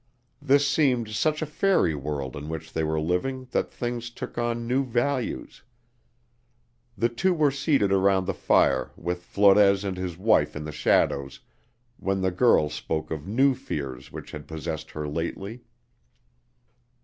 This seemed such a fairy world in which they were living that things took on new values. The two were seated around the fire with Flores and his wife in the shadows, when the girl spoke of new fears which had possessed her lately.